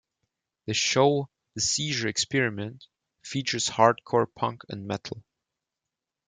The show "The Seizure Experiment" features hardcore punk and metal.